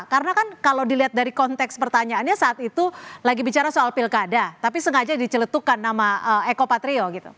karena kan kalau dilihat dari konteks pertanyaannya saat itu lagi bicara soal pilkada tapi sengaja diceletukan nama eko patrio gitu